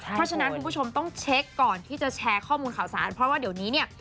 เพราะฉะนั้นคุณผู้ชมต้องเช็คก่อนที่จะแชร์ข้อมูลข่าวสารเพราะว่าเดี๋ยวนี้เนี่ย